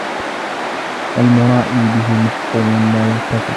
وَالْمُرَائِيَ بِهِ مَحْقُورٌ لَا يَرْتَفِعُ